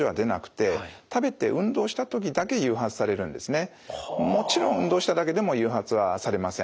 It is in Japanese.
この病態はですねもちろん運動しただけでも誘発はされません。